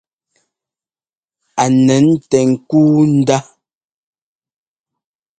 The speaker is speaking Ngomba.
A nɛn tɛ ŋ́kúu ndá.